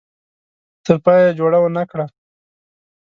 تر پایه یې جوړه ونه کړه.